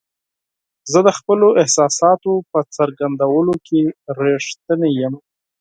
زه د خپلو احساساتو په څرګندولو کې رښتینی یم.